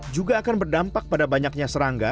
juga akan berdampak pada banyaknya serangga